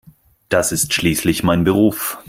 Das ist schließlich mein Beruf.